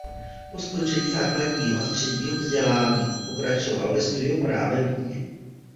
Po skončení základního a středního vzdělání pokračoval ve studiu práv ve Vídni.